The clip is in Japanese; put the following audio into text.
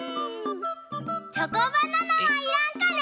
チョコバナナはいらんかね？